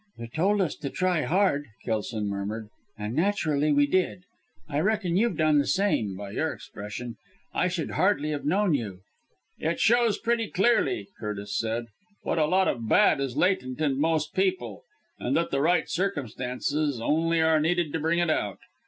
"You told us to try hard!" Kelson murmured, "and naturally we did. I reckon you've done the same by your expression. I should hardly have known you." "It shows pretty clearly," Curtis said, "what a lot of bad is latent in most people; and that the right circumstances only are needed to bring it out.